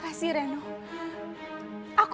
aku bakal simpan berkas ini baik baik